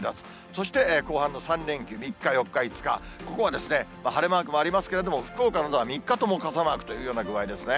そして、後半の３連休、３日、４日、５日、ここは晴れマークもありますけれども、福岡などは３日とも傘マークというような具合ですね。